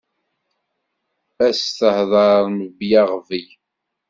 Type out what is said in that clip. Ad s-tehder mebla aɣbel.